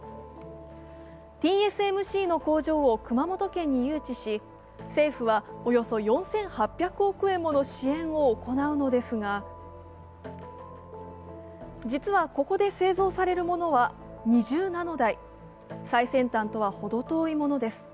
ＴＳＭＣの工場を熊本県に誘致し政府はおよそ４８００億円もの支援を行うのですが、実はここで製造されるものは２０ナノ台、最先端とはほど遠いものです。